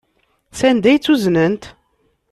Sanda ay tt-uznent?